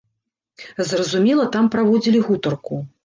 Зразумела, там праводзілі гутарку.